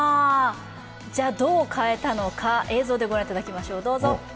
じゃあ、どう変えたのか映像で御覧いただきましょう。